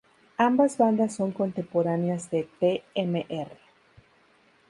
Ambas bandas son contemporáneas de The Mr.